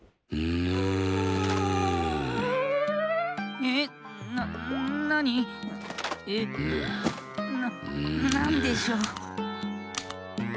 ぬ。ななんでしょう？